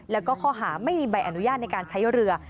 แล้วก็ข้อหาไม่มีใบอนุญาตในการใช้เรือ